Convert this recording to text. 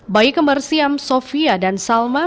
bayi kembar siam sofia dan salma